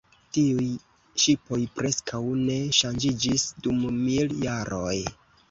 Tiuj ŝipoj preskaŭ ne ŝanĝiĝis dum mil jaroj.